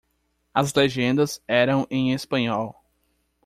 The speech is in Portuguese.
As legendas eram em Espanhol.